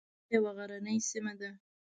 دا یوه غرنۍ سیمه ده.